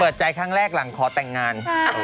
ใจครั้งแรกหลังขอแต่งงาน